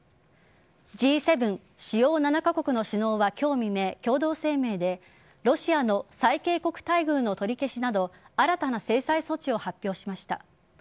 Ｇ７＝主要７カ国の首脳は今日未明、共同声明でロシアの最恵国待遇の取り消しなど新たな制裁措置を発表しました。